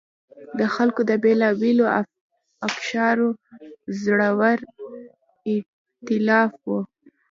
د خلکو د بېلابېلو اقشارو زړور اېتلاف و.